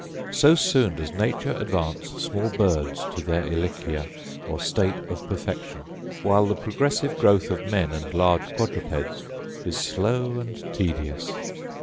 So soon does nature advance small birds to their ἡλικία or state of perfection; while the progressive growth of men and large quadrupeds is slow and tedious!